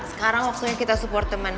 sekarang waktunya kita support temen